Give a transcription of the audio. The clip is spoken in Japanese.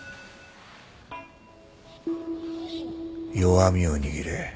弱みを握れ。